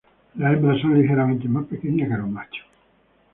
Las hembras son ligeramente más pequeñas que los machos.